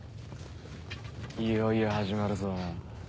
いよいよ始まるぞ。